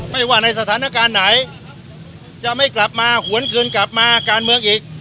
ไม่ว่าในสถานการณ์ไหนจะไม่กลับมาหวนคืนกลับมาการเมืองอีก